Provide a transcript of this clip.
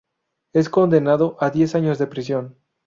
Es condenado a diez años de prisión.